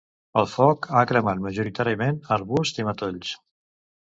El foc ha cremat majoritàriament arbusts i matolls.